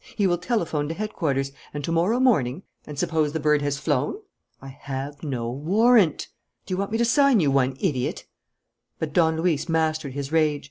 He will telephone to headquarters; and to morrow morning " "And suppose the bird has flown?" "I have no warrant." "Do you want me to sign you one, idiot?" But Don Luis mastered his rage.